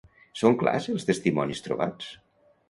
Són clars els testimonis trobats?